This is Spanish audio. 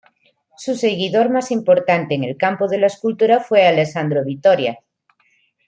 Su seguidor más importante en el campo de la escultura fue Alessandro Vittoria.